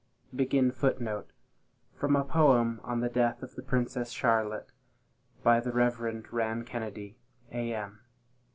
From a poem on the death of the Princess Charlotte, by the Reverend Rann Kennedy, A.M.